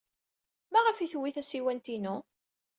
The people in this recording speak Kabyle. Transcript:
Maɣef ay tewwi tasiwant-inu?